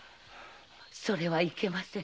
それはいけません。